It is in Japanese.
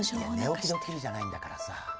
「寝起きドッキリじゃないんだからさ」。